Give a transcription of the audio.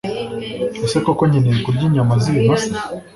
Ese koko nkeneye kurya inyama z’ibimasa